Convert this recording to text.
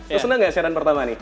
lu seneng gak siaran pertama ini